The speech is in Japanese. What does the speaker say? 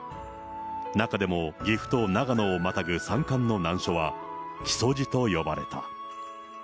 中でも、岐阜と長野をまたぐ山間の難所は、木曽路と呼ばれた。